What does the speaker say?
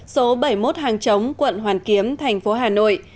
số bảy mươi một hàng chống quận hoàn kiếm thành phố hà nội